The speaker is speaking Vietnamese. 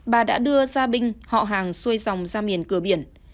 bà đã đưa gia binh họ hàng xuôi dòng ra miền cửa biển